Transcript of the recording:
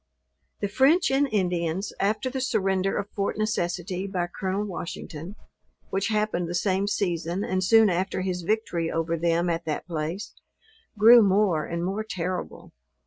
The French and Indians, after the surrender of Fort Necessity by Col. Washington, (which happened the same season, and soon after his victory over them at that place,) grew more and more terrible.